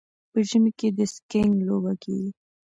په ژمي کې د سکیینګ لوبه کیږي.